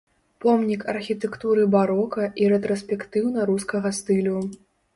Помнік архітэктуры барока і рэтраспектыўна-рускага стылю.